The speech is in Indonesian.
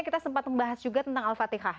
kita sempat membahas juga tentang al fatihah